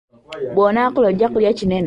Bw'onaakula ojja kulya ekinene.